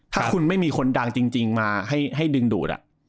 ถ้าคุณไม่มีคนดังจริงมาให้ดึงดูด